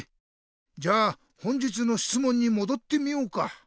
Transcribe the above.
じゃあ本日のしつもんにもどってみようか。